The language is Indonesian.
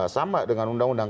sama dengan undang undang